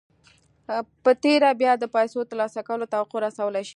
په تېره بیا د پیسو ترلاسه کولو توقع رسولای شئ